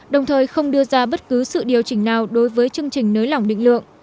đồng thời không đưa ra bất cứ sự điều chỉnh nào đối với chương trình nới lỏng định lượng